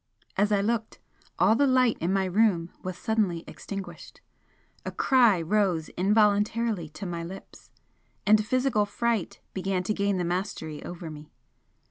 As I looked, all the light in my room was suddenly extinguished. A cry rose involuntarily to my lips and physical fright began to gain the mastery over me.